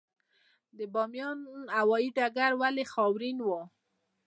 د بامیان هوايي ډګر ولې خاورین و؟